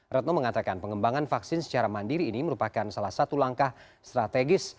retno mengatakan pengembangan vaksin secara mandiri ini merupakan salah satu langkah strategis